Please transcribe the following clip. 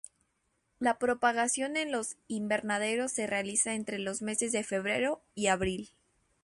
La propagación en los invernaderos se realiza entre los meses de febrero y abril.